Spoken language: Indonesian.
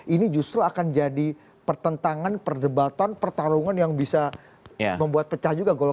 ini justru akan jadi pertentangan perdebatan pertarungan yang bisa membuat pecah juga